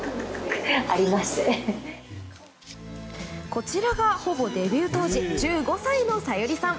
こちらがほぼデビュー当時１５歳のさゆりさん。